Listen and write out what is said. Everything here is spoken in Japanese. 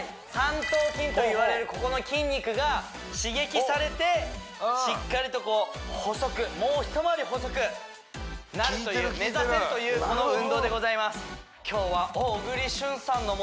三頭筋といわれるここの筋肉が刺激されてしっかりと細くもう一回り細くなるという目指せるというこの運動でございます